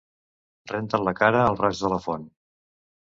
Renta't la cara al raig de la font.